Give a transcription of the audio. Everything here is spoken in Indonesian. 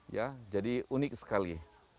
ya jadi unik sekali